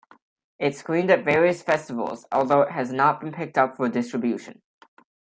It screened at various festivals, although it has not been picked up for distribution.